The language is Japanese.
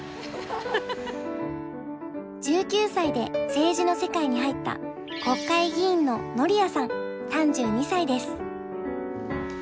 １９歳で政治の世界に入った国会議員のノリアさん３２歳です。